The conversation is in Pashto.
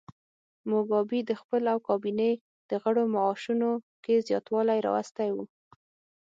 موګابي د خپل او کابینې د غړو معاشونو کې زیاتوالی راوستی و.